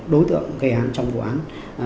đối tượng gây án trong quán